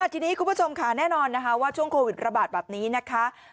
ทีนี้คุณผู้ชมค่ะแน่นอนนะคะว่าช่วงโควิดระบาดแบบนี้นะคะ